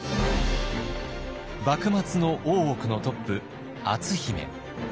幕末の大奥のトップ篤姫。